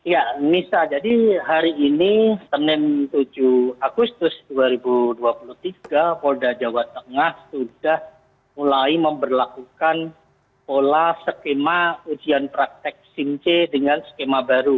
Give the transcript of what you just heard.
ya nisa jadi hari ini senin tujuh agustus dua ribu dua puluh tiga polda jawa tengah sudah mulai memperlakukan pola skema ujian praktek simc dengan skema baru